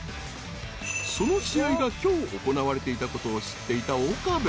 ［その試合が今日行われていたことを知っていた岡部］